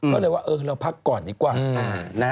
ก็เลยว่าเออเราพักก่อนดีกว่า